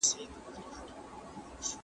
د ټولنې ستونزې باید په علمي ډول حل سي.